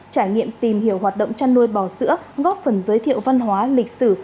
trải nghiệm tìm hiểu hoạt động chăn nuôi bò sữa góp phần giới thiệu văn hóa lịch sử